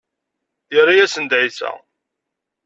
Yerra-asen-d ɛisa.